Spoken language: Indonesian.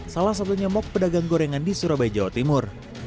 salah satunya mok pedagang gorengan di surabaya jawa timur